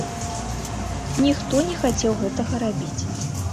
Ніхто не хацеў гэтага рабіць.